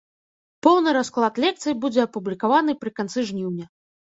Поўны расклад лекцый будзе апублікаваны пры канцы жніўня.